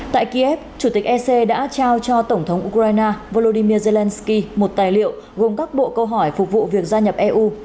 tại kiev chủ tịch ec đã trao cho tổng thống ukraine volodymyr zelensky một tài liệu gồm các bộ câu hỏi phục vụ việc gia nhập eu